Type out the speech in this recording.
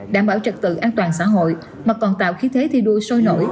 đảm bảo trật tự an toàn xã hội mà còn tạo khí thế thi đua sôi nổi